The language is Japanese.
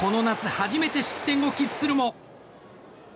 初めて失点を喫するも。